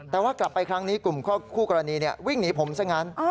แต่ว่ากลับไปครั้งนี้กลุ่มคู่กรณีวิ่งหนีผมซะงั้น